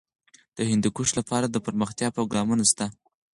د هندوکش لپاره دپرمختیا پروګرامونه شته.